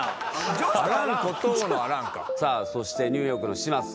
さあそしてニューヨークの嶋佐。